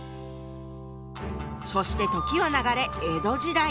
そして時は流れ江戸時代。